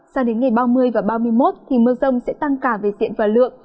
sao đến ngày ba mươi và ba mươi một thì mưa rông sẽ tăng cả về diện và lượng